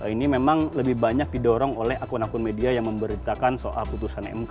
ini memang lebih banyak didorong oleh akun akun media yang memberitakan soal keputusan mk